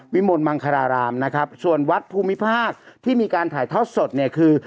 วิมลมังคารารามนะครับส่วนวัดภูมิภาคที่มีการถ่ายทอดสดเนี่ยคือ